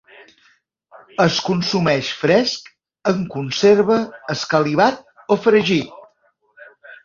Es consumeix fresc, en conserva, escalivat o fregit.